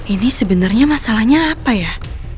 ini sebenarnya masalahnya apa ya